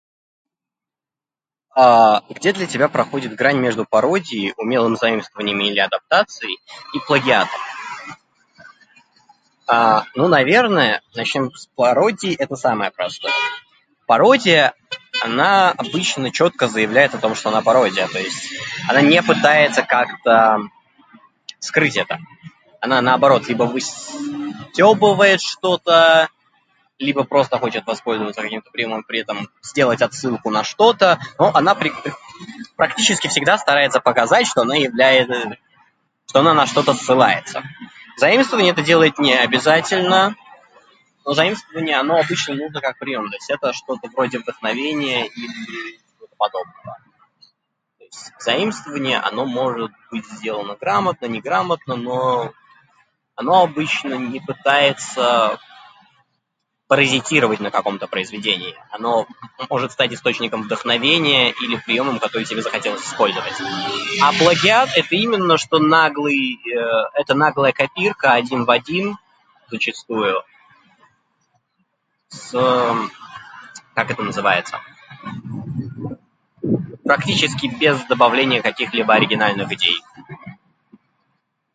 А-а, где для тебя проходит грань между пародией, умелым заимствованием или адаптацией и плагиатом? А, ну, наверное, начнём с пародии, это самое простое. Пародия она обычно чётко заявляет о том, что она пародия. То есть она не пытается как-то скрыть это. Она наоборот либо выстёбывает что-то, либо просто хочет воспользоваться каким-то приёмом и при этом сделать отсылку на что-то, но она при- практически всегда старается показать, что оно явля- что она на что-то ссылается. Заимствование это делает не обязательно, но заимствование оно обычно нужно как приём. То есть это что-то вроде вдохновения или чего-то подобного. То есть заимствование оно может быть сделано грамотно, неграмотно, но оно обычно не пытается паразитировать на каком-то произведении. Оно может стать источником вдохновения или приёмом, который тебе захотелось использовать. А плагиат - это именно что наглый, э, это наглая копирка один в один зачастую с-с, как это называется? Практически без добавления каких-либо оригинальных идей.